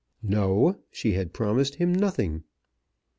No; she had promised him nothing.